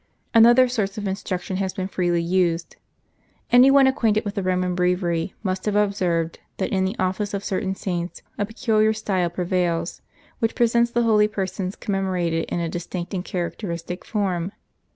Another source of instruction has been freely iised. Any one ac quainted with the Roman Breviary must have observed, that in the ofiices of certain saints a peculiar style prevails, which presents the holy per sons commemorated in a distinct and characteristic form.